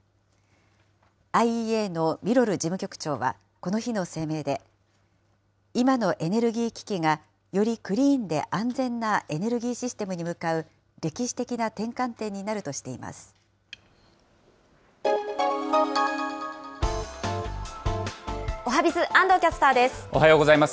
ＩＥＡのビロル事務局長は、この日の声明で、今のエネルギー危機が、よりクリーンで安全なエネルギーシステムに向かう、歴史的なおはＢｉｚ、安藤キャスターおはようございます。